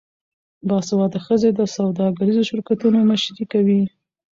باسواده ښځې د سوداګریزو شرکتونو مشري کوي.